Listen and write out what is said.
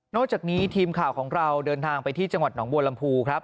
จากนี้ทีมข่าวของเราเดินทางไปที่จังหวัดหนองบัวลำพูครับ